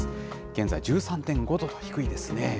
現在、１３．５度と低いですね。